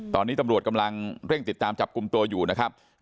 ตอนนี้ตำรวจกำลังเร่งติดตามจับกลุ่มตัวอยู่นะครับ